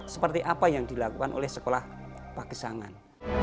seperti apa yang dilakukan oleh sekolah pagesangan